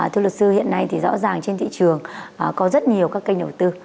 thưa luật sư hiện nay thì rõ ràng trên thị trường có rất nhiều các kênh đầu tư